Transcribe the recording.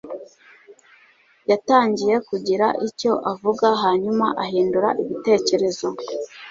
yatangiye kugira icyo avuga, hanyuma ahindura ibitekerezo.